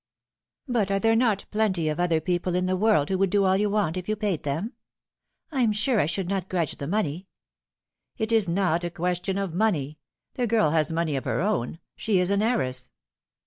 " But are there not plenty of other people in the world who would do all you want if you paid them ? I'm sure 1 should not grudge the money." " It is not a question of money. The girl has money of her own. She is an heiress."